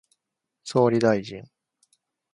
総理大臣